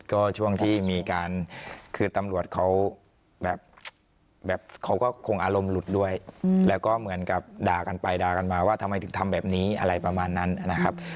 ก็ช่วงที่มีการคือตำรวจเขาแบบเขาก็คงอารมณ์หลุดด้วยแล้วก็เหมือนกับด่ากันไปด่ากันมาว่าทำไมถึงทำแบบนี้อะไรประมาณนั้นนะครับ